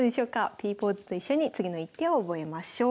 Ｐポーズと一緒に次の一手を覚えましょう。